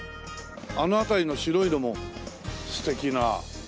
あの辺りの白いのも素敵な。